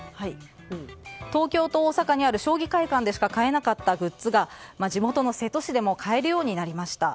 東京と大阪にある将棋会館でしか買えなかったグッズが地元の瀬戸市でも買えるようになりました。